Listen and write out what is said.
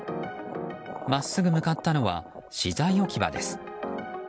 真っすぐ向かったのは資材置き場です。